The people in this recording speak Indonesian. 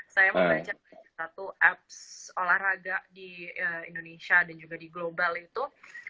saya membaca satu apps olahraga di indonesia dan juga di global itu